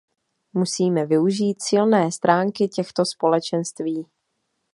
Musíme využít silné stránky těchto společenství.